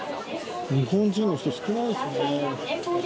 日本人の人、少ないですね。